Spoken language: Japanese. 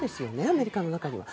アメリカの中でも。